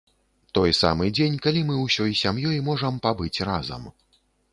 Той самы дзень, калі мы ўсёй сям'ёй можам пабыць разам.